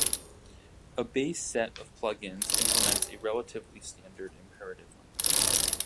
A base set of plug-ins implements a relatively standard imperative language.